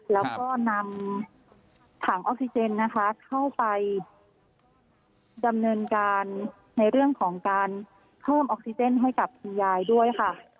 แล้วก็นำถังออกซิเจนนะคะเข้าไปดำเนินการในเรื่องของการเพิ่มออกซิเจนให้กับคุณยายด้วยค่ะ